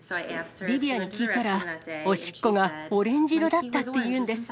リヴィアに聞いたら、おしっこがオレンジ色だったって言うんです。